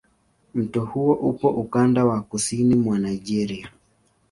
Mto huo upo ukanda wa kusini mwa Nigeria.